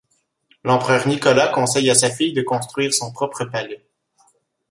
L'empereur Nicolas conseille à sa fille de construire son propre palais.